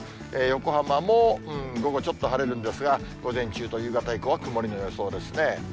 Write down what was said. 横浜も午後、ちょっと晴れるんですが、午前中と夕方以降は曇りの予想ですね。